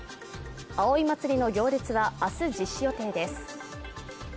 葵祭の行列は明日実施予定です。